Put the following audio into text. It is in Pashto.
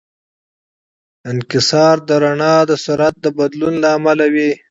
انکسار د رڼا د سرعت د بدلون له امله وي.